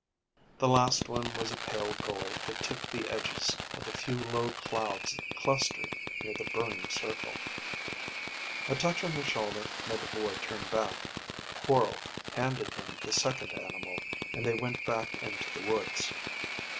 The last one was a pale gold that tipped the edges of the few low clouds that clustered near the burning circle. A touch on the shoulder made the boy turn back. Quorl handed him the second animal, and they went back into the woods.